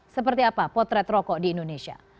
seperti apa potret rokok di indonesia